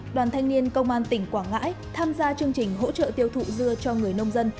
đoàn thanh niên công an tỉnh quảng ngãi tham gia chương trình hỗ trợ tiêu thụ dưa cho người nông dân